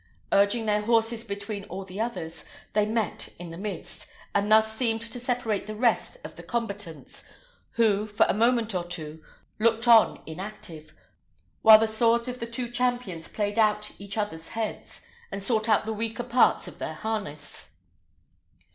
Urging their horses between all the others, they met in the midst, and thus seemed to separate the rest of the combatants, who, for a moment or two, looked on inactive; while the swords of the two champions played about each other's heads, and sought out the weaker parts of their harness.